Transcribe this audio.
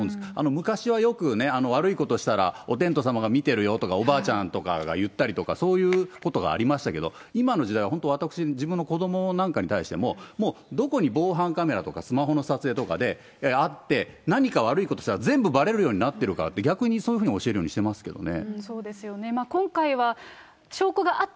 昔はよくね、悪いことしたら、おてんとうさまが見てるよとか、おばあちゃんとかが言ったりとか、そういうことがありましたけど、今の時代は本当、私、自分の子どもなんかに対しても、もう、どこに防犯カメラとか、スマホの撮影とかで、あって、何か悪いことしたら全部ばれるようになってるからって、逆にそういうふうに教えるようにしてますけどね。